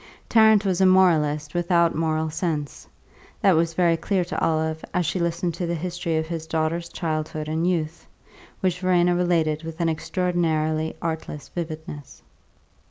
Tarrant was a moralist without moral sense that was very clear to Olive as she listened to the history of his daughter's childhood and youth, which Verena related with an extraordinary artless vividness.